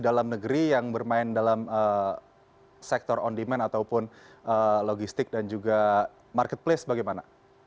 dalam negeri yang bermain dalam sektor on demand ataupun logistik dan juga marketplace bagaimana